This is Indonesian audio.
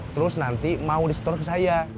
terus nanti mau di store ke saya